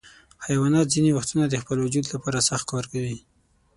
حیوانات ځینې وختونه د خپل وجود لپاره سخت کار کوي.